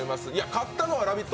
勝ったのは「ラヴィット！」